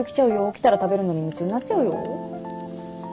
来たら食べるのに夢中になっちゃうよ？